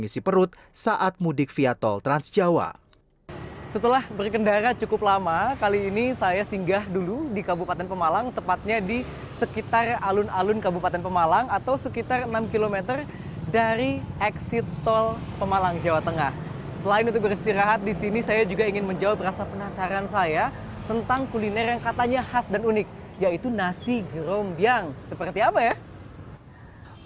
selain untuk beristirahat di sini saya juga ingin menjawab rasa penasaran saya tentang kuliner yang katanya khas dan unik yaitu nasi gerombiang seperti apa ya